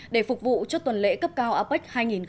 để phục vụ cho tuần lễ cấp cao apec hai nghìn một mươi bảy